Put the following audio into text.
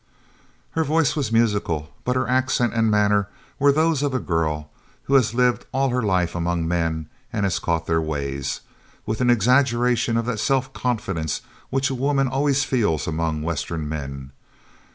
Her voice was musical, but her accent and manner were those of a girl who has lived all her life among men and has caught their ways with an exaggeration of that self confidence which a woman always feels among Western men.